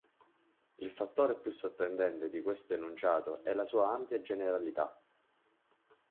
Il fattore più sorprendente di questo enunciato è la sua ampia generalità.